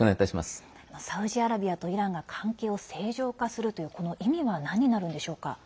サウジアラビアとイランが関係を正常化するというこの意味は何になるんでしょうか。